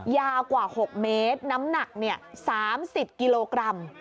ยาวกว่า๖เมตรน้ำหนัก๓๐กิโลกรัม